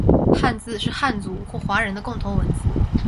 汉字是汉族或华人的共同文字